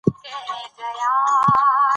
ټول جهان له ما ودان دی نه ورکېږم